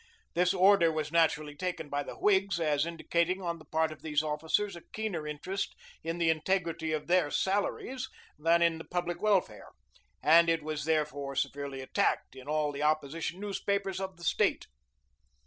This order was naturally taken by the Whigs as indicating on the part of these officers a keener interest in the integrity of their salaries than in the public welfare, and it was therefore severely attacked in all the opposition newspapers of the State.